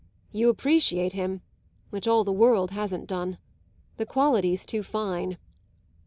"You appreciate him, which all the world hasn't done. The quality's too fine."